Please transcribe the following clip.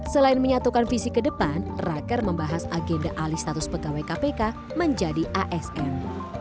selain menyatukan visi ke depan raker membahas agenda alih status pegawai kpk menjadi asn